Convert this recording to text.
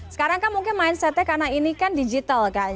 sekarang kan mungkin mindsetnya karena ini kan digital kan